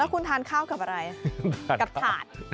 คุณทานข้าวกับอะไรกับถาด